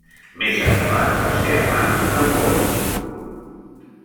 Més endavant va ser amant d'Apol·lo.